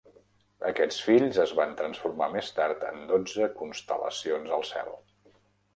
Aquests fills es van transformar més tard en dotze constel·lacions al cel.